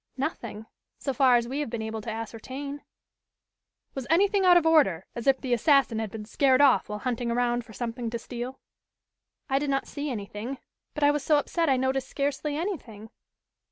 "Nothing, so far as we have been able to ascertain." "Was anything out of order, as if the assassin had been scared off while hunting around for something to steal?" "I did not see anything. But I was so upset I noticed scarcely anything."